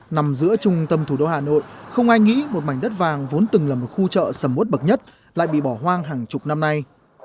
nằm giữa trung tâm thủ đô hà nội không ai nghĩ một mảnh đất vàng vốn từng là một khu chợ sầm mút bậc nhất lại bị bỏ hoang hàng chục năm nay